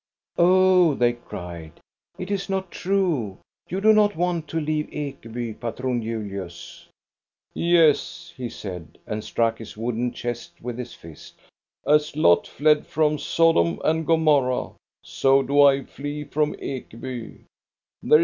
" "Oh," they cried, "it is not true; you do not want to leave Ekeby, Patron Julius !" "Yes," he said, and struck his wooden chest with his fist. " As Lot fled from Sodom and Gomorrah, so do I flee from Ekeby.